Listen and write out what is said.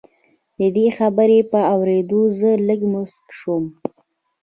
د دې خبرې په اورېدو زه لږ موسک شوم